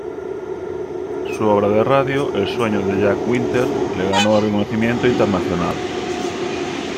Su obra de radio, El sueño de Jack Winter, le ganó reconocimiento internacional.